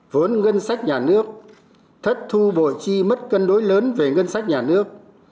vốn ngân sách nhà nước thất thu bộ chi mất cân đối lớn về ngân sách nhà nước